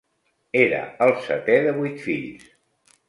Era el setè de vuit fills.